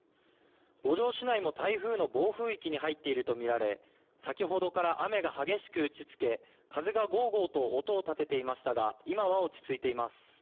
五條市内も台風の暴風域に入っていると見られ、先ほどから雨が激しく打ちつけ、風がごーごーと音を立てていましたが、今は落ち着いています。